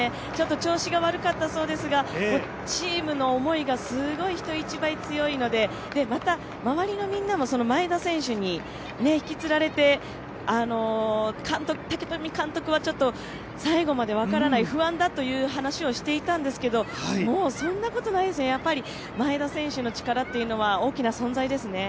調子が悪かったそうですが、チームの思いがすごい人一倍強いのでまた、周りのみんなも前田選手につられて武冨監督は最後まで分からない、不安だという話をしていたんですけれども、もうそんなことないですね、前田選手の力というのは大きな存在ですね。